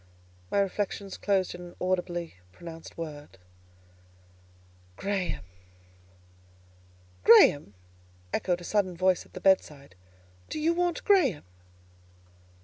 My reflections closed in an audibly pronounced word, "Graham!" "Graham!" echoed a sudden voice at the bedside. "Do you want Graham?"